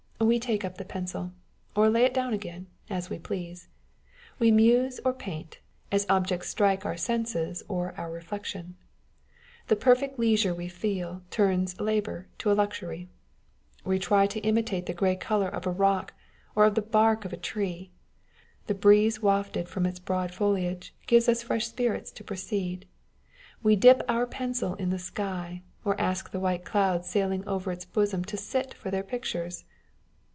We take up the pencil, or lay it down again, as we please. We muse or paint, as objects strike our senses or our reflection. The perfect leisure we feel turns labour to a luxury. We try to imitate the grey colour of a rock or of the bark of a tree : the breeze wafted from its broad foliage gives us fresh spirits to proceed, we dip our pencil in the sky, or ask the white clouds sailing over its bosom to sit for their pictures.